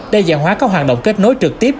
đa dạng hóa các hoạt động kết nối trực tiếp